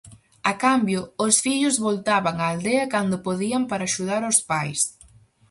A cambio, os fillos voltaban á aldea cando podían para axudar aos pais.